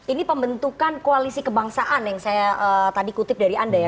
ini pembentukan koalisi kebangsaan yang saya tadi kutip dari anda ya